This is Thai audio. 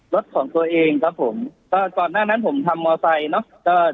รถของตัวเองครับผมก็ก่อนหน้านั้นผมทำมอไซค์เนอะ